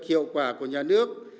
hiệu quả của nhà nước